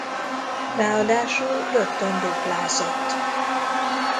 Ráadásul rögtön duplázott.